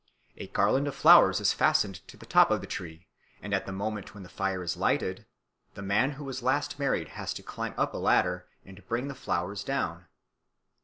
A garland of flowers is fastened to the top of the tree, and at the moment when the fire is lighted the man who was last married has to climb up a ladder and bring the flowers down.